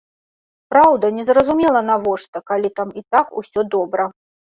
Праўда, незразумела, навошта, калі там і так усё добра.